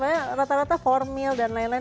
pokoknya rata rata formil dan lain lain